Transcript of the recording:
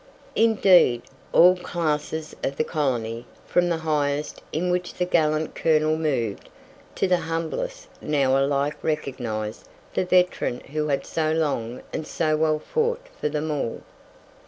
Indeed, all classes of the colony, from the highest, in which the gallant colonel moved, to the humblest, now alike recognized the veteran who had so long and so well fought for them all.